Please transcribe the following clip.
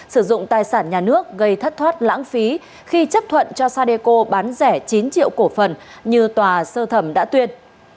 sử dụng tài sản nhà nước gây thất thoát lãng phí khi chấp thuận cho sadeco bán rẻ chín triệu cổ phần như tòa sơ thẩm đã tuyên